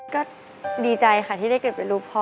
ก็ดีใจค่ะที่ได้เกิดเป็นลูกพ่อ